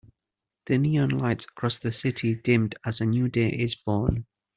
The neon lights across the city dimmed as a new day is born.